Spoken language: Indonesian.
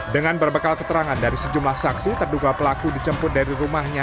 dengan berbekal keterangan dari sejumlah saksi terduga pelaku dijemput dari rumahnya